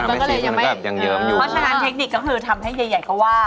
เพราะฉะนั้นเทคนิคก็คือทำให้ใหญ่ใหญ่เขาว่า